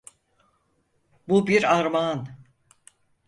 Bu bir armağan.